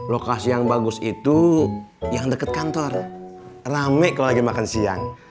lokasi yang bagus itu yang dekat kantor rame kalau lagi makan siang